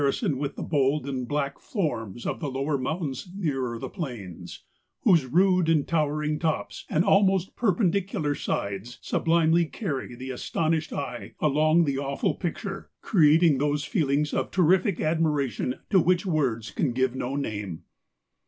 183 sons with the bold and black forms of the lower mountains nearer the plains, whose rude and tower¬ ing tops and almost perpendicular sides sublimely carry the astonished eye along the awful picture ; creating those feelings of terrific admiration to which words can give no name.